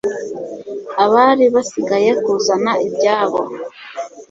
abari basigaye kuzana ibyabo